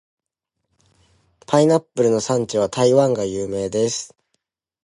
パイナップルの産地は台湾が有名です。